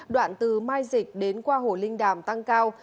đoạn từ mai dịch đến qua hồ linh đàm tăng cao